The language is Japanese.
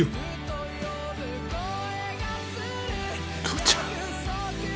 父ちゃん。